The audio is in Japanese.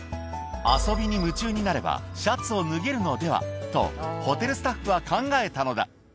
遊びに夢中になれば、シャツを脱げるのではと、ホテルスタッフは考えたのだ。